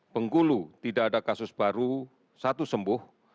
bengkulu tidak ada kasus baru satu sembuh